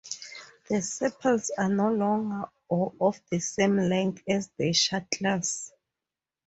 The sepals are longer or of the same length as the shuttles.